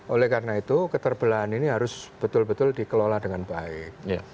oleh karena itu keterbelahan ini harus betul betul dikelola dengan baik